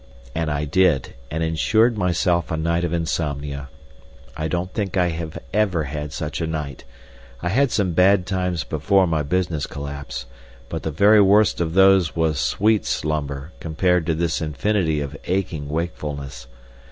And I did, and insured myself a night of insomnia. I don't think I have ever had such a night. I had some bad times before my business collapse, but the very worst of those was sweet slumber compared to this infinity of aching wakefulness.